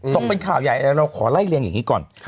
ตกเป็นข่าวใหญ่เราขอไล่เรียงอย่างนี้ก่อน